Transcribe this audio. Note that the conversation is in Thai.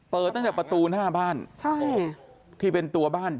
เปิดตั้งแต่ประตูหน้าบ้านใช่ที่เป็นตัวบ้าน